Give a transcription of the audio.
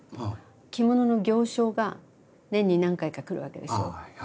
着物の行商が年に何回か来るわけですよ。